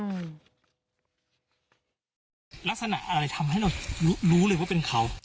ลักษณะอะไรทำให้เรารู้เลยว่าเป็นเขา